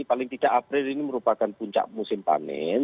paling tidak april ini merupakan puncak musim panen